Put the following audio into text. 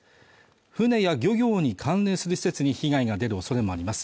船や漁業に関連する施設に被害が出るおそれもあります